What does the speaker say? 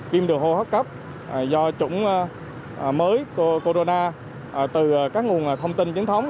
viêm đường hô hấp cấp do chủng mới corona từ các nguồn thông tin chính thống